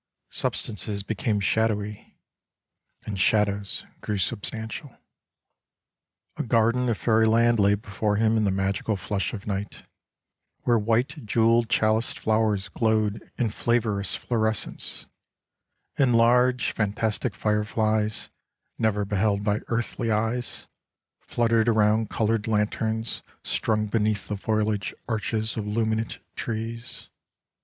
Substances became shadowy, and shadows grew r substantial. A garden of fairyland lay before him in the magical flush of night, where white jeweled chaliced flowers glowed in flavorous floresence, and large fantastic fireflies, never beheld by earthly eyes, fluttered around colored lanterns, strung beneath the foliage arches of luminant trees.